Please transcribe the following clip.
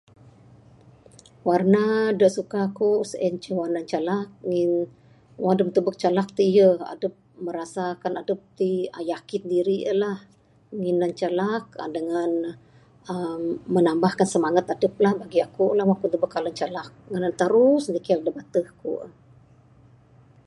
Warna da suka aku sien inceh warna calak ngin wang adep tubek calak ti yeh, adep merasakan adep ti yakin diri lah. Ngin ne calak dengan emmm menambahkan semangat adep lah bagi aku la wang ku tubek colour calak ngan ne tarus tikel da bateh ku.